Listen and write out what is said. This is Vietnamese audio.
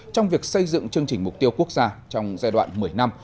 trong việc xây dựng chương trình mục tiêu quốc gia trong giai đoạn một mươi năm